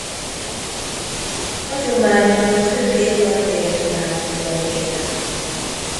Hagyománya főképp a Dél-Dunántúlon élő.